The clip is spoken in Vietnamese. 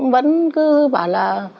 vẫn cứ bảo là